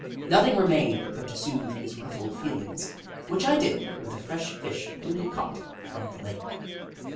Nothing remained but to soothe his ruffled feelings, which I did with a fresh Fish newly caught from the lake.